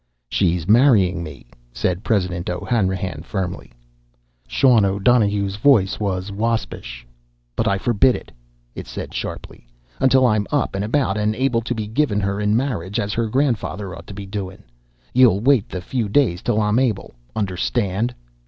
"She's marryin' me," said President O'Hanrahan firmly. Sean O'Donohue's voice was waspish. "But I forbid it!" it said sharply. "Until I'm up and about and able to be givin' her in marriage as her grandfather ought to be doin'! Ye'll wait the few days till I'm able! Understand?"